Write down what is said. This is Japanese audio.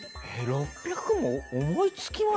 ６００も思いつきます？